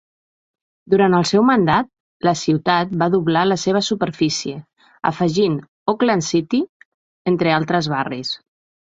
Durant el seu mandat, la ciutat va doblar la seva superfície, afegint Oakland City entre altres barris.